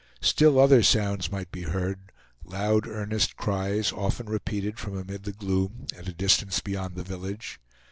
Still other sounds might be heard; loud earnest cries often repeated from amid the gloom, at a distance beyond the village.